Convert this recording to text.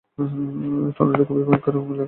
Tornado খুবই ভয়ংকর, এই এলাকা ছাড়তে হবে আমাদের।